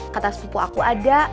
kertas pupuk aku ada